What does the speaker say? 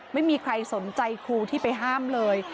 ไม่มีใครสนใจครูที่ไปห้ามเลย